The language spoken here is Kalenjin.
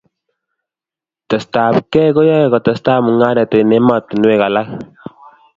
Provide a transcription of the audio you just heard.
testai ab kei koyae ko testai mungaret eng' ematinwek alak